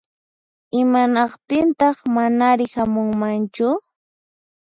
Imanaqtintaq manari hamunmanchu?